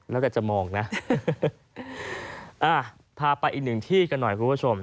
แล้วแต่จะมองนะอ่าพาไปอีกหนึ่งที่กันหน่อยคุณผู้ชม